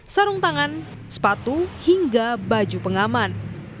sarung tangan sepatu hingga baju pengaman